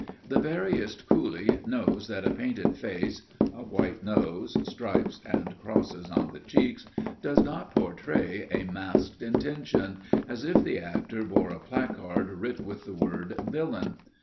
The veriest coolie knows that a painted face (a white nose, stripes and crosses on the cheeks) does but portray a masked intention, as if the actor bore a placard writ with the word "Villain."